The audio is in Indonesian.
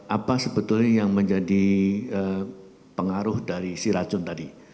apa sebetulnya yang menjadi pengaruh dari si racun tadi